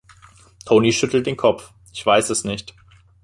Tony schüttelt den Kopf; ich weiß es nicht.